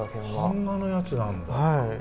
版画のやつなんだ。